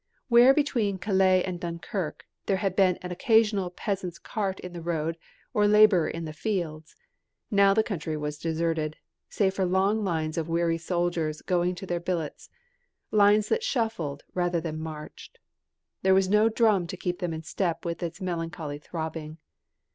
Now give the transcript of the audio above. Where between Calais and Dunkirk there had been an occasional peasant's cart in the road or labourer in the fields, now the country was deserted, save for long lines of weary soldiers going to their billets, lines that shuffled rather than marched. There was no drum to keep them in step with its melancholy throbbing.